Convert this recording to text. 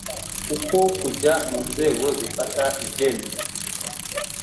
kuko kujya mu nzego zifata ibyemezo